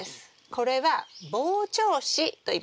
これは防鳥糸といいます。